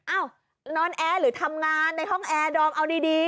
นอนแอร์หรือทำงานในห้องแอร์ดอมเอาดี